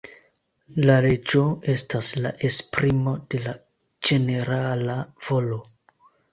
La leĝo estas la esprimo de la ĝenerala volo.